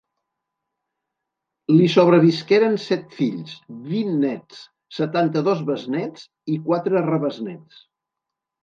Li sobrevisqueren set fills, vint néts, setanta-dos besnéts i quatre rebesnéts.